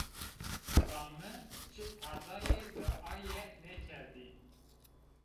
La mi çi tedayî bi aye nêkerdî